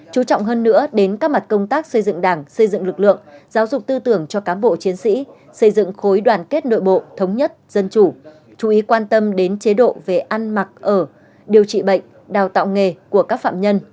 chú trọng hơn nữa đến các mặt công tác xây dựng đảng xây dựng lực lượng giáo dục tư tưởng cho cám bộ chiến sĩ xây dựng khối đoàn kết nội bộ thống nhất dân chủ chú ý quan tâm đến chế độ về ăn mặc ở điều trị bệnh đào tạo nghề của các phạm nhân